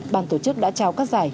ban tổ chức đã trao các giải